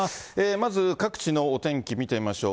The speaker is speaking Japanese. まず、各地のお天気、見てみましょう。